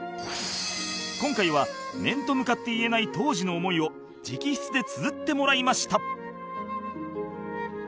今回は面と向かって言えない当時の思いを直筆で綴ってもらいました